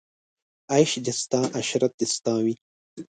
عیش دې ستا عشرت دې ستا وي